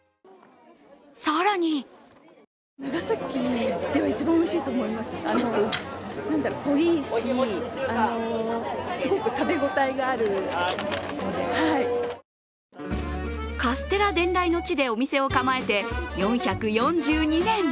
更にカステラ伝来の地でお店を構えて４４２年。